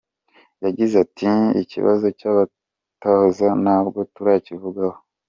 Yagize ati “Ikibazo cy’abatoza ntabwo turakivugaho.